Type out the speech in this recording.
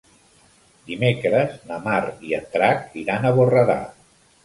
Dimecres na Mar i en Drac iran a Borredà.